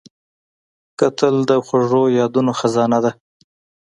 کتل د خوږو یادونو خزانه ده